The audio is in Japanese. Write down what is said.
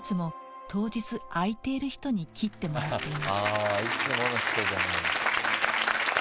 あぁいつもの人じゃない。